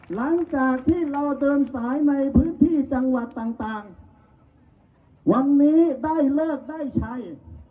หลังจากที่เราเดินสายในพื้นที่จังหวัดต่างวันนี้ได้เลิกได้ชัย